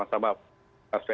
terima kasih pak